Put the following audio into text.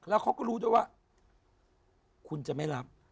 แล้วเขาก็รู้ด้วยว่าคุณจะไม่รับ